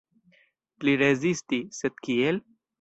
Pli rezisti, sed kiel?